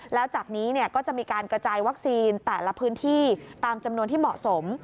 แล้วจากนี้ก็จะมีการกระจายวัคซีนแต่ละพื้นที่ตามจำนวนที่เหมาะสม